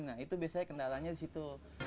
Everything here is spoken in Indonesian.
nah itu biasanya kendalanya di situ